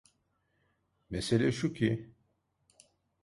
Mesele şu ki…